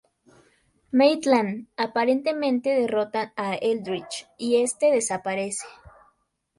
Maitland, aparentemente derrotan a Eldritch, y este desaparece.